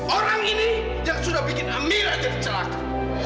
orang ini yang sudah bikin amira jadi celaka